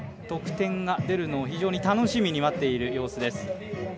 得点が出るのを非常に楽しみに待っている様子です。